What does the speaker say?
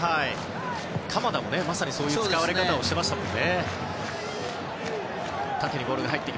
鎌田もそういう使われ方をしていましたね。